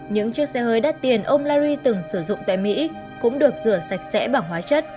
những chiếc xe hơi đắt tiền ông lary từng sử dụng tại mỹ cũng được rửa sạch sẽ bằng hóa chất